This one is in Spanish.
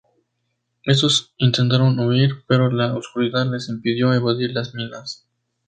Estos intentaron huir, pero la oscuridad les impidió evadir las minas.